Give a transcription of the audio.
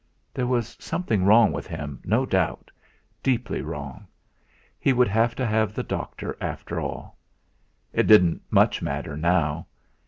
There was something wrong with him, no doubt, deeply wrong; he would have to have the doctor after all. It didn't much matter now!